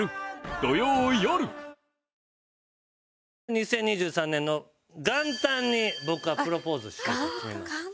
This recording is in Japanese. ２０２３年の元旦に僕はプロポーズしようと決めました。